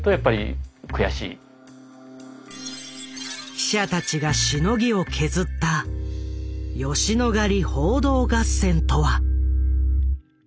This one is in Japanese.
記者たちがしのぎを削った吉野ヶ里報道合戦とは。